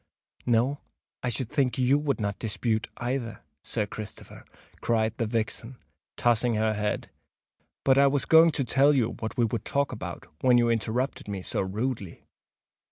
"No—I should think you would not dispute, either, Sir Christopher!" cried the vixen, tossing her head. "But I was going to tell you what we would talk about, when you interrupted me so rudely.